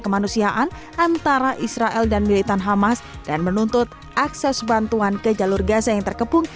kemanusiaan antara israel dan militan hamas dan menuntut akses bantuan ke jalur gaza yang terkepung